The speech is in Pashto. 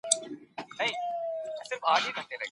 ولي په انټرنیټي زده کړه کي د حضوري ټولګیو شور نه وي؟